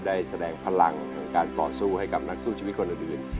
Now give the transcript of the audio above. ได้แสดงพลังของการต่อสู้ให้กับนักสู้ชีวิตคนอื่น